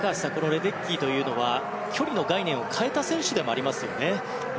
レデッキーというのは距離の概念を変えた選手でもありますよね。